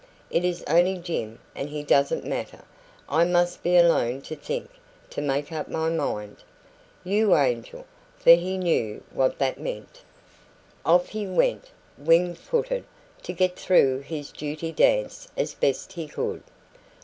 It is only Jim, and he doesn't matter. I must be alone to think to make up my mind " "You ANGEL!" for he knew what that meant. Off he went, wing footed, to get through his duty dance as best he could.